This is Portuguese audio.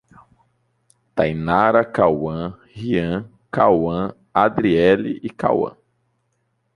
Tainara, Cauã, Rian, Kauan, Adriele e Kauã